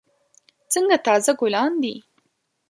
څنګه تازه ګلان دي.